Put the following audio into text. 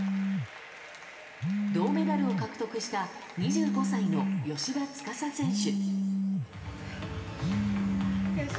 銅メダルを獲得した２５歳の芳田司選手。